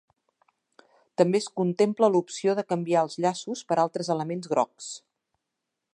També es contempla l'opció de canviar els llaços per altres elements grocs.